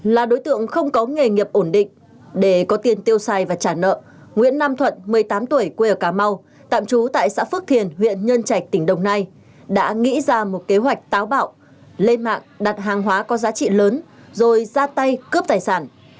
là đối tượng không có nghề nghiệp ổn định để có tiền tiêu xài và trả nợ nguyễn nam thuận một mươi tám tuổi quê ở cà mau tạm trú tại xã phước thiền huyện nhân trạch tỉnh đồng nai đã nghĩ ra một kế hoạch táo bạo lên mạng đặt hàng hóa có giá trị lớn rồi ra tay cướp tài sản